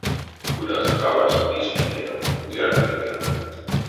Кудазоравась лиссь пирев куяр мельга.